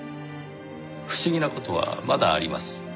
不思議な事はまだあります。